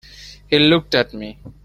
He looked at me.